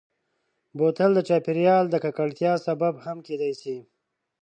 بوتل د چاپېریال د ککړتیا سبب هم کېدای شي.